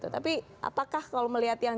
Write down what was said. tapi apakah kalau melihat yang